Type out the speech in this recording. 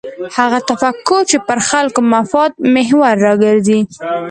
هغه تفکر چې پر خلکو مفاد محور راګرځي.